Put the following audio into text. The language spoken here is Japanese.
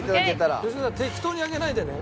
適当に上げないでね。